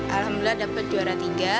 alhamdulillah dapat juara tiga